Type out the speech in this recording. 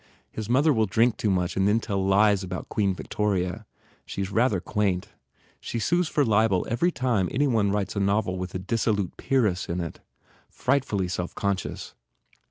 His mother will drink too much and then tell lies about Queen Victoria. She s rather quaint. She sues for libel every time any one writes a novel with a dissolute peeress in it. Frightfully self conscious.